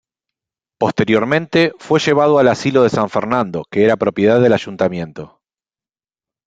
Posteriormente, fue llevado al asilo de San Fernando, que era propiedad del Ayuntamiento.